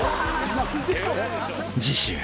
［次週］